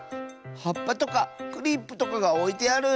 はっぱとかクリップとかがおいてある。